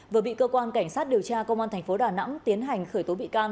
vừa bị cơ quan cảnh sát điều tra công an thành phố đà nẵng tiến hành khởi tố bị can